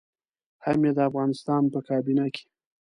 هم يې د افغانستان په کابينه کې.